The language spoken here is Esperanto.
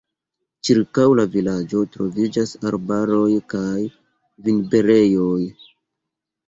Ĉirkaŭ la vilaĝo troviĝas arbaroj kaj vinberejoj.